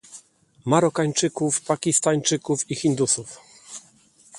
Marokańczyków, Pakistańczyków i Hindusów